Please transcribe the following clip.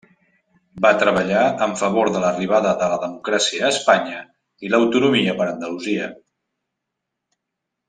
Va treballar en favor de l'arribada de la democràcia a Espanya i l'autonomia per Andalusia.